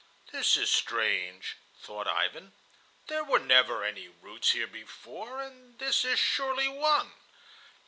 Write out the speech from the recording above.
"This is strange," thought Ivan. "There were never any roots here before, and this is surely one."